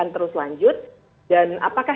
terus lanjut dan apakah